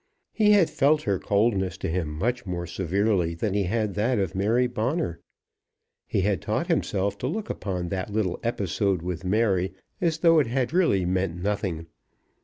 He had felt her coldness to him much more severely than he had that of Mary Bonner. He had taught himself to look upon that little episode with Mary as though it had really meant nothing.